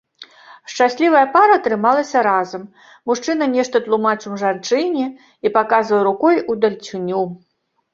Шчаслівая пара трымалася разам, мужчына нешта тлумачыў жанчыне і паказваў рукой удалечыню.